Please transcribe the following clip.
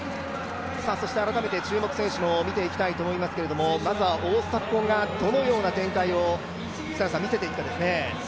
そして改めて注目選手も見ていきたいと思いますけれども、まずは大迫がどのような展開を見せていくかですね。